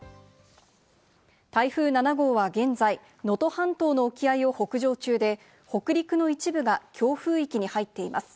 台風７号は現在、能登半島の沖合いを北上中で、北陸の一部が強風域に入っています。